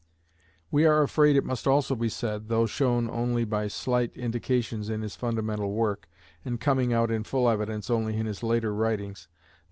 We are afraid it must also be said, though shown only by slight indications in his fundamental work, and coming out in full evidence only in his later writings that M.